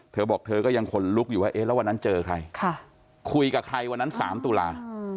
เธอบอกเธอก็ยังขนลุกอยู่ว่าเอ๊ะแล้ววันนั้นเจอใครคุยกับใครวันนั้น๓ตุลา